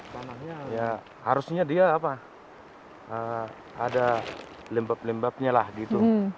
tanahnya ya harusnya dia apa ada lembab lembabnya lah gitu